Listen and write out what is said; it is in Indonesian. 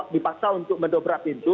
dipaksa untuk mendobrak pintu